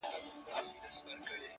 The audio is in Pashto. په افغان وطن کي شان د جنتو دی,